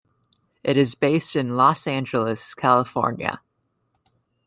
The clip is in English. It is based in Los Angeles, California.